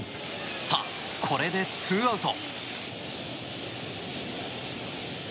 さあ、これでツーアウト。